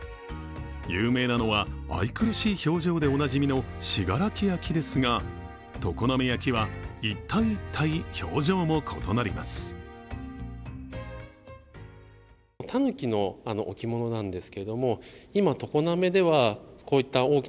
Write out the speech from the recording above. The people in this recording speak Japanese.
有名なのは、愛くるしい表情でおなじみの信楽焼ですが常滑焼は一体一体、表情も異なります。